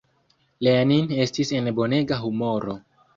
Lenin estis en bonega humoro.